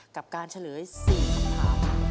กับการเฉลย๔คำถาม